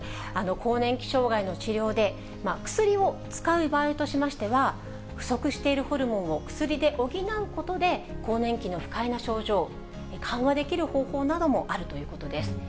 更年期障害の治療で、薬を使う場合としましては、不足しているホルモンを薬で補うことで、更年期の不快な症状、緩和できる方法などもあるということです。